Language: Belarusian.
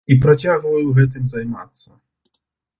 І працягваю гэтым займацца.